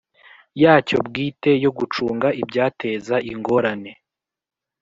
yacyo bwite yo gucunga ibyateza ingorane